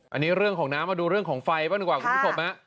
อันนี้เรื่องของน้ำมาดูเรื่องของไฟบ้างดีกว่าคุณผู้ชมฮะ